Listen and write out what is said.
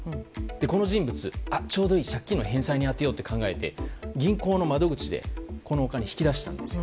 この人物、ちょうどいい借金の返済に充てようと考えて銀行の窓口でこのお金を引き出したんです。